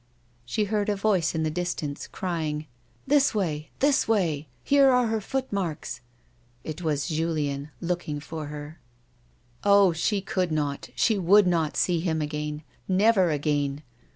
She heard a voice in the distance crying, "This way! this way! Here are her footmarks." It was Julieu looking for her. Oh ! she could not, she would not, see him again ! Never again